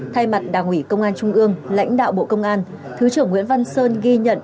thay mặt đảng ủy công an trung ương lãnh đạo bộ công an thứ trưởng nguyễn văn sơn ghi nhận